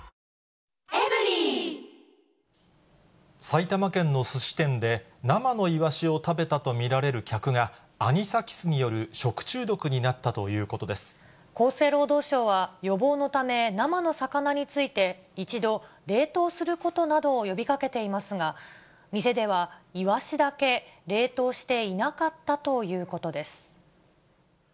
埼玉県のすし店で、生のイワシを食べたと見られる客が、アニサキスによる食中毒になった厚生労働省は、予防のため、生の魚について、一度冷凍することなどを呼びかけていますが、店ではイワシだけ冷凍していなかったということです。